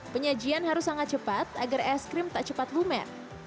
penyajian harus sangat cepat agar aiskrim tak cepat lumer